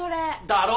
だろ？